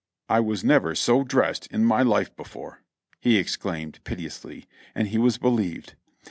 "I was never so dressed in my life before!" he exclaimed piteous ly : and he was believed.